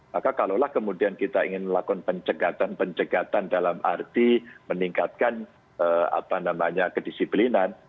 maka kalaulah kemudian kita ingin melakukan pencegatan pencegatan dalam arti meningkatkan kedisiplinan